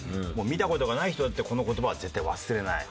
見た事がない人だってこの言葉は絶対忘れない。